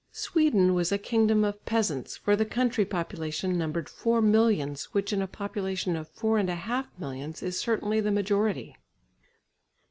Sweden was a kingdom of peasants, for the country population numbered four millions, which in a population of four and a half millions, is certainly the majority.